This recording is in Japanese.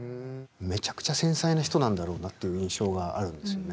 めちゃくちゃ繊細な人なんだろうなという印象があるんですよね。